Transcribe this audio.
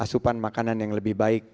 dan asupan makanan yang lebih baik